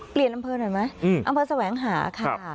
เปลี่ยนอำเภอหน่อยไหมอำเภอสวัยอังหาค่ะ